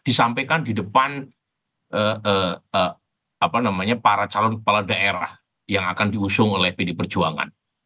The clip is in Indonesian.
disampaikan di depan para calon kepala daerah yang akan diusung oleh pd perjuangan